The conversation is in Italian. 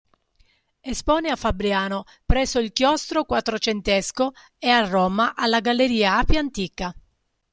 Espone a Fabriano presso il Chiostro Quattrocentesco ed a Roma alla Galleria "Appia Antica".